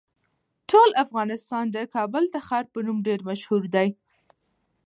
ټول افغانستان د کابل د ښار په نوم ډیر مشهور دی.